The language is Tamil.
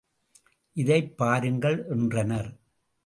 இதைப் பாருங்கள் என்றனர்.